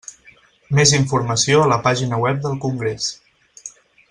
Més informació a la pàgina web del congrés.